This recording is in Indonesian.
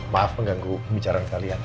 maaf mengganggu bicaranya kalian